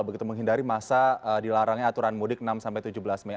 begitu menghindari masa dilarangnya aturan mudik enam tujuh belas mei